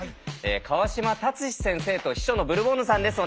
川島達史先生と秘書のブルボンヌさんです。